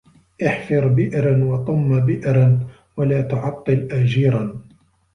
احفر بئرا وَطُمَّ بئرا ولا تُعَطِّلْ أجيرا